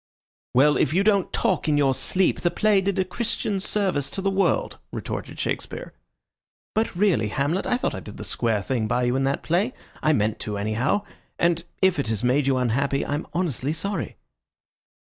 "Well, if you don't talk in your sleep, the play did a Christian service to the world," retorted Shakespeare. "But, really, Hamlet, I thought I did the square thing by you in that play. I meant to, anyhow; and if it has made you unhappy, I'm honestly sorry."